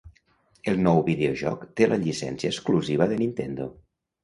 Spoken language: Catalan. El nou videojoc té la llicència exclusiva de Nintendo.